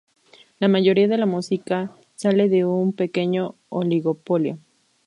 la mayoría de la música sale de un pequeño oligopolio